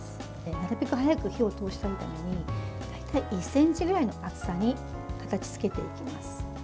なるべく早く火を通したいために大体１ｃｍくらいの厚さに形付けていきます。